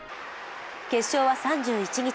決勝は３１日。